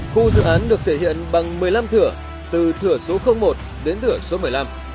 khu dự án được thể hiện bằng một mươi năm thửa từ thửa số một đến thửa số một mươi năm